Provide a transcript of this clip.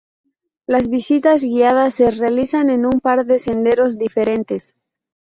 Las visitas guiadas se realizan en un par de senderos diferentes.